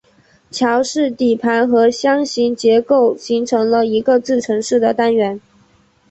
桥式底盘和箱形结构形成一个自承式的单元。